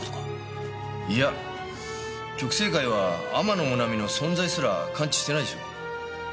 いや極征会は天野もなみの存在すら関知してないでしょう。